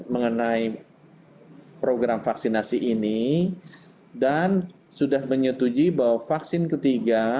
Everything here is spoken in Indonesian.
mengenai program vaksinasi ini dan sudah menyetujui bahwa vaksin ketiga